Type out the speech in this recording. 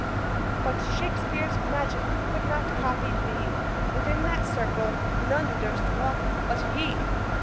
'But Shakspeare's magick could not copied be, Within that circle none durst walk but he!'